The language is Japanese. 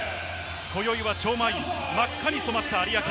こよいは超満員、真っ赤に染まった有明。